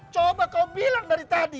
coba kau bilang dari tadi